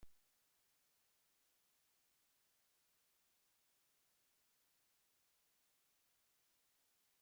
El municipio es la capital de la municipalidad homónima.